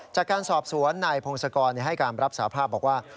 จากการสอบสวนนายพงศกรให้การรับสาภาพบอกว่า